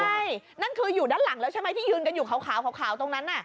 ใช่คือที่อยู่ด้านหลังนั้นแล้วที่ขาวนั้น